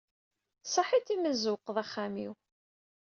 Saḥit i mi tzewwqeḍ axxam-iw.